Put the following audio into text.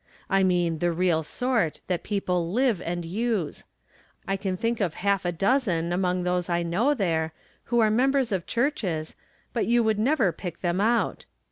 I mean the real sort, that people live and use. I can tlunk of half a dozen amonfj those I know there who are members of churches, but you would never pick them out.